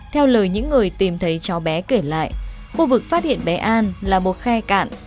theo lời những người tìm thấy cháu bé kể lại khu vực phát hiện bé an là một khe cạn